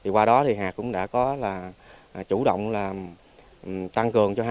qua đó thì hạt cũng đã có chủ động tăng cường cho hai xã